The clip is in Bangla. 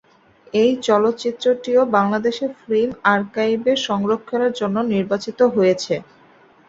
এই চলচ্চিত্রটিও বাংলাদেশ ফিল্ম আর্কাইভে সংরক্ষণের জন্য নির্বাচিত হয়েছে।